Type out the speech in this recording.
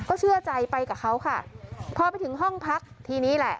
เชื่อใจไปกับเขาค่ะพอไปถึงห้องพักทีนี้แหละ